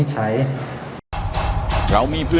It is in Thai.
ที่สารมนตร์